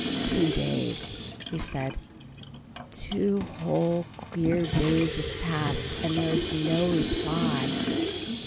"Two days," he said, "two whole clear days have passed, and there is no reply.